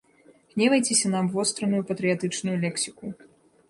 Гневайцеся на абвостраную патрыятычную лексіку.